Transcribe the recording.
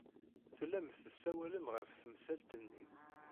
Tellam tessawalem ɣef temsalt-nni.